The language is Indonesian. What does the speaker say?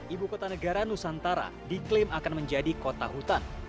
ibu kota negara nusantara diklaim akan menjadi kota hutan